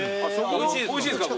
おいしいですか？